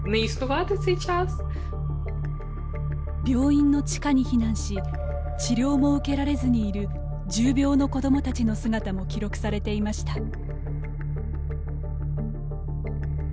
病院の地下に避難し治療も受けられずにいる重病の子どもたちの姿も記録されていました。